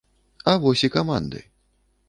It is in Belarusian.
А вось і каманды.